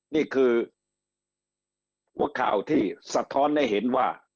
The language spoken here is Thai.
นี่คือหัวข่าวที่สะท้อนให้เห็นว่า